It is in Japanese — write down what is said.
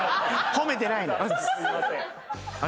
褒めてない。